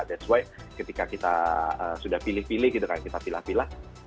that's why ketika kita sudah pilih pilih gitu kan kita pilih pilih